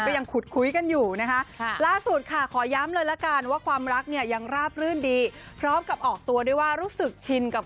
จริงก็เหมือนเขาติดต่อการมามากกว่าไม่ได้สยบข่าวอะไรนะใช่ใช่